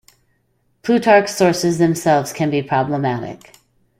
Plutarch's sources themselves can be problematic.